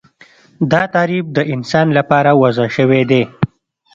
دا تعریف د انسان لپاره وضع شوی دی